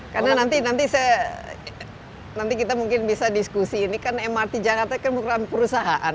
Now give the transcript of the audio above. karena nanti kita mungkin bisa diskusi ini kan mrt jakarta kan perusahaan